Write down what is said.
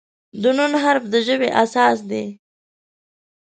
د "ن" حرف د ژبې اساس دی.